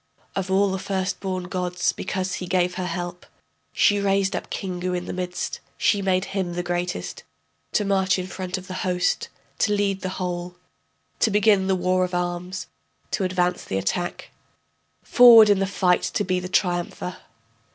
Of all the first born gods, because he gave her help, She raised up Kingu in the midst, she made him the greatest, To march in front of the host, to lead the whole, To begin the war of arms, to advance the attack, Forward in the fight to be the triumpher.